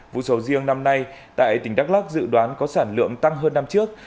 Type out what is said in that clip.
vụ sầu riêng năm nay tại tỉnh đắk lắc dự đoán có sản lượng tăng hơn năm trước